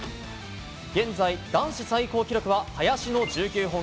現在、男子最高記録は、林の１９本。